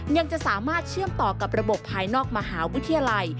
ยังจะสามารถเชื่อมต่อกับระบบภายนอกมหาวิทยาลัย